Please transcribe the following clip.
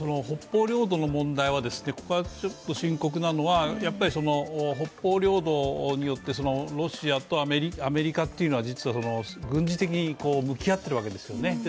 北方領土の問題はちょっと深刻なのは北方領土によってロシアとアメリカというのは実は軍事的に向き合っているわけですよね。